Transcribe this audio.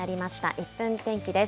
１分天気です。